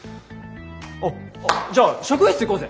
あっじゃあ職員室行こうぜ。